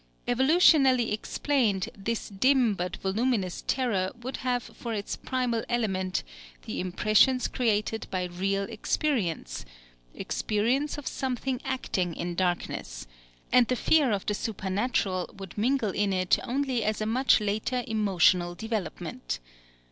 Evolutionally explained, this dim but voluminous terror would have for its primal element the impressions created by real experience experience of something acting in darkness; and the fear of the supernatural would mingle in it only as a much later emotional development.